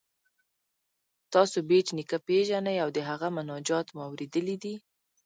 تاسو بېټ نیکه پيژنئ او د هغه مناجات مو اوریدلی دی؟